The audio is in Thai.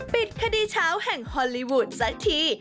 ปิดคดีเช้าแห่งฮอลลีวูดสักที